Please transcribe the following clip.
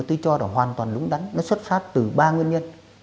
tôi cho là hoàn toàn đúng đắn nó xuất phát từ ba nguyên nhân